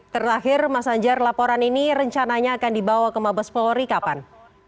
terakhir mas anjar laporan ini rencananya akan dibawa ke mabes polri kapan